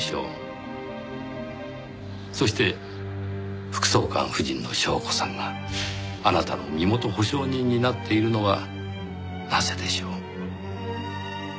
そして副総監夫人の祥子さんがあなたの身元保証人になっているのはなぜでしょう？